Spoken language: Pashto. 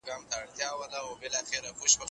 ښه چلند د کار بوج کموي.